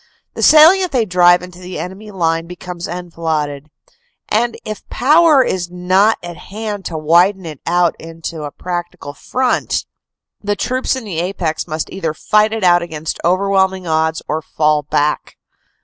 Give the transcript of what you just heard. The salient they drive into the enemy line becomes enfiladed, and if power is not at hand to widen it out into a practical front, the troops in the apex must either fight it out against overwhelming odds or fall back.